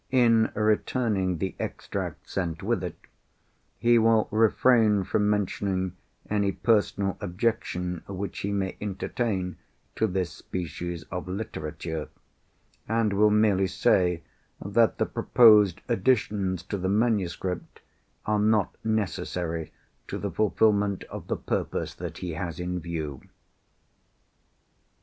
In returning the extracts sent with it, he will refrain from mentioning any personal objection which he may entertain to this species of literature, and will merely say that the proposed additions to the manuscript are not necessary to the fulfilment of the purpose that he has in view."